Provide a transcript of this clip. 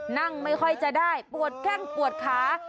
นั่งไม่ค่อยจะได้ปวดแข้งปวดขา